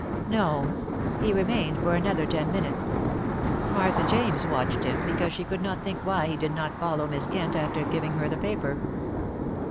"No. He remained for another ten minutes. Martha James watched him, because she could not think why he did not follow Miss Kent after giving her the paper."